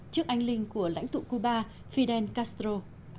trước ánh linh của lãnh tụ cuba fidel castro